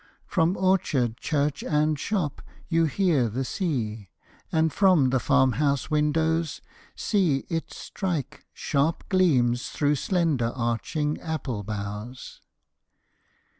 From orchard, church, and shop you hear the sea, And from the farm house windows see it strike Sharp gleams through slender arching apple boughs.